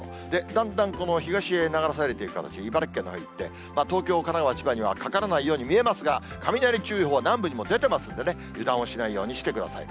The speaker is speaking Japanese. だんだんこの東へ流されていく形、茨城県のほうに行って、東京、神奈川、千葉にはかからないように見えますが、雷注意報が南部にも出てますんでね、油断をしないようにしてください。